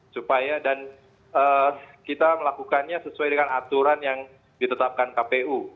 supaya dan kita melakukannya sesuai dengan aturan yang ditetapkan kpu